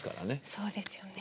そうですよね。